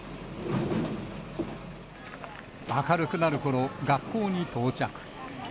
明るくなるころ、学校に到着。